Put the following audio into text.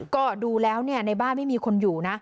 ก็ดูแล้วในบ้านไม่มีคนอยู่นะ